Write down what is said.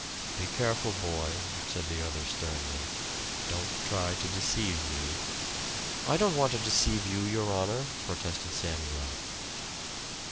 "Be careful, boy," said the other sternly. "Don't try to deceive me." "I don't want to deceive you, your honor," protested Samuel.